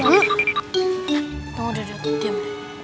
tunggu duduk diam deh